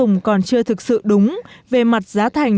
sử dụng còn chưa thực sự đúng về mặt giá thành